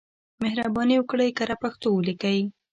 مهرباني وکړئ کره پښتو ولیکئ.